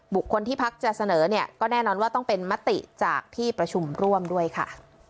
บุคคลที่พักจะเสนอเนี่ยก็แน่นอนว่าต้องเป็นมติจากที่ประชุมร่วมด้วยค่ะ